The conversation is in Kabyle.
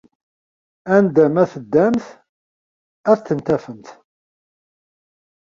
Anda ma teddamt, ad tent-tafemt.